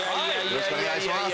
よろしくお願いします。